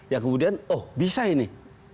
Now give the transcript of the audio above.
yang kemudian oh bisa ini